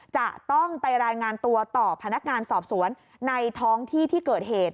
จะต้องไปรายงานตัวต่อพนักงานสอบสวนในท้องที่ที่เกิดเหตุ